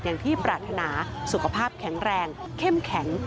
อย่างที่ปรารถนาสุขภาพแข็งแรงเข้มแข็ง